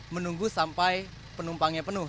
menunggu sampai penumpangnya penuh